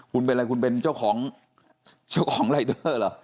คุณเป็นอะไรคุณเป็นเจ้าของเจ้าของรายเดอร์เหรอ